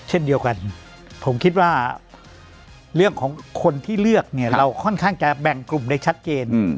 เช่นเดียวกันผมคิดว่าเรื่องของคนที่เลือกเนี่ยเราค่อนข้างจะแบ่งกลุ่มได้ชัดเจน